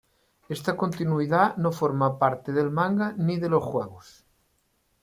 Esta continuidad no forma parte del manga ni de los juegos.